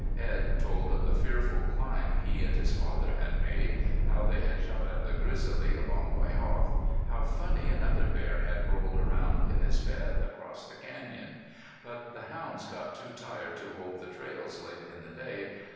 Edd told of the fearful climb he and his father had made, how they had shot at the grizzly a long way off, how funny another bear had rolled around in his bed across the canyon. But the hounds got too tired to hold the trails late in the day.